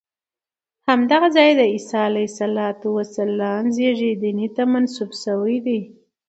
همدغه ځای د عیسی علیه السلام زېږېدنې ته منسوب شوی دی.